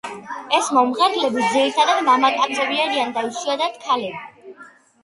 ეს „მომღერლები“ ძირითადად მამაკაცები არიან და იშვითად ქალები.